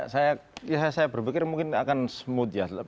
saya berpikir mungkin akan smooth ya